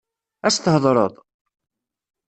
Ad as-theḍṛeḍ?